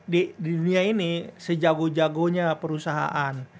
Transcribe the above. di dunia ini sejago jagonya perusahaan